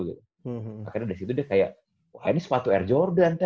akhirnya dari situ deh kayak wah ini sepatu air jordan te